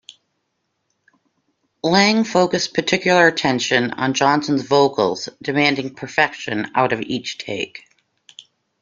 Lange focused particular attention on Johnson's vocals, demanding perfection out of each take.